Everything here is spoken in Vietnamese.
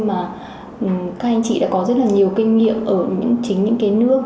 mà các anh chị đã có rất là nhiều kinh nghiệm ở chính những cái nước